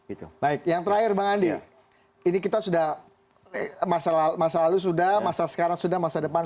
itu baik yang terakhir bang andi ini kita sudah masa lalu sudah masa sekarang sudah masa depan